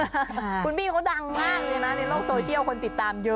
คุณพี่เขาดังมากเลยนะในโลกโซเชียลคนติดตามเยอะ